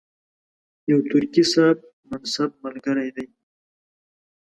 یو ترکي صاحب منصب ملګری کړي.